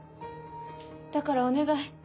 だからお願い